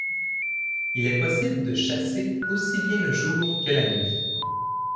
Il y est possible de chasser aussi bien le jour que la nuit.